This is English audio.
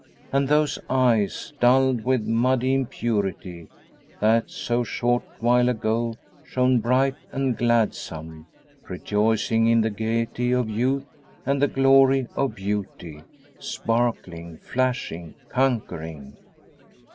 And those eyes, dulled with "muddy impurity," that so short while ago shone bright and gladsome, rejoicing in the gaiety of youth and the glory of beauty sparkling, flashing, conquering!